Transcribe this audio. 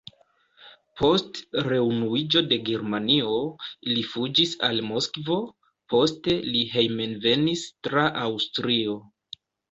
Post reunuiĝo de Germanio, li fuĝis al Moskvo, poste li hejmenvenis tra Aŭstrio.